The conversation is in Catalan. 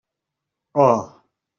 Oh!